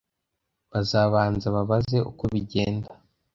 Bazabanza babaze uko bigenda